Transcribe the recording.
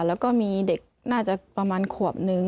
แล้วก็มีเด็กน่าจะประมาณขวบนึง